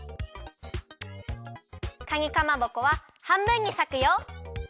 かにかまぼこははんぶんにさくよ。